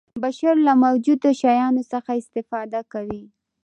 بشر له موجودو شیانو څخه استفاده کوي.